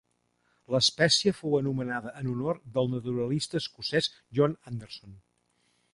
L'espècie fou anomenada en honor del naturalista escocès John Anderson.